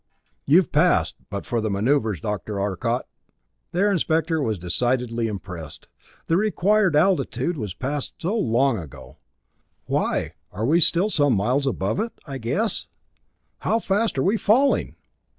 "You've passed, but for the maneuvers, Dr. Arcot!" The Air Inspector was decidedly impressed. "The required altitude was passed so long ago why we are still some miles above it, I guess! How fast are we falling?"